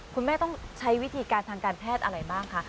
คุณแม่ต้องใช้วิธีการทางการแพทย์อะไรบ้างคะ